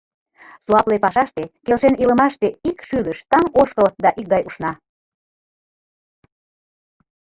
Суапле пашаште, келшен илымаште Ик шӱлыш, таҥ ошкыл да икгай ушна.